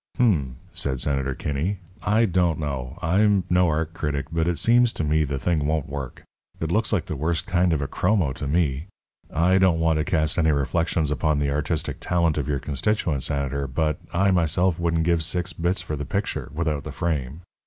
"H'm!" said Senator Kinney, "I don't know. I'm no art critic, but it seems to me the thing won't work. It looks like the worst kind of a chromo to me. I don't want to cast any reflections upon the artistic talent of your constituent, Senator, but I, myself, wouldn't give six bits for the picture without the frame.